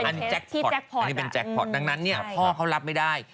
อันนี้อาจจะเป็นเคสที่แจ็คพอร์ตดังนั้นเนี่ยพ่อเขารับไม่ได้